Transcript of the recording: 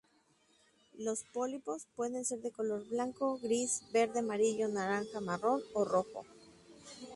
Los pólipos pueden ser de color blanco, gris, verde, amarillo, naranja, marrón o rojo.